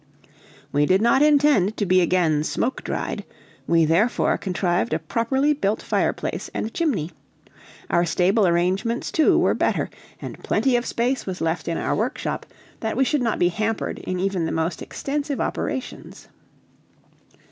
We did not intend to be again smoke dried; we therefore contrived a properly built fire place and chimney; our stable arrangements, too, were better, and plenty of space was left in our workshop that we should not be hampered in even the most extensive operations.